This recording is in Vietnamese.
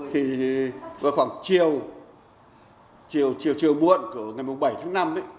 thì vào khoảng chiều chiều buộn của ngày bảy tháng năm